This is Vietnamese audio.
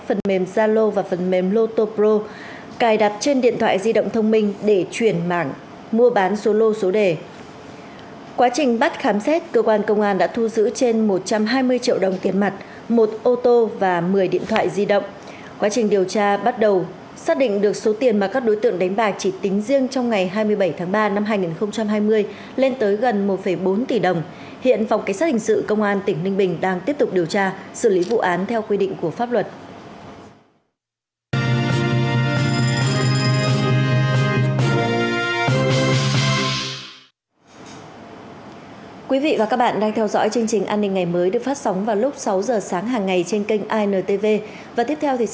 phần mềm zalo và phần mềm lotopro cài đặt trên điện thoại di động thông minh để chuyển mạng mua bán số lô số đề